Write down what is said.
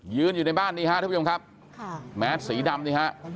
อยู่ในบ้านนี้ฮะท่านผู้ชมครับค่ะแมสสีดำนี่ฮะ